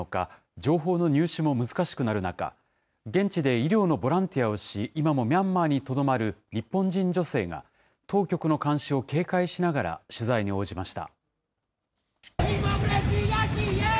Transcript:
情報の入手も難しくなる中、現地で医療のボランティアをし、今もミャンマーにとどまる日本人女性が、当局の監視を警戒しながら、取材に応じました。